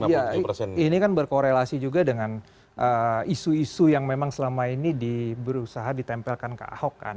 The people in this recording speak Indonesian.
iya ini kan berkorelasi juga dengan isu isu yang memang selama ini berusaha ditempelkan ke ahok kan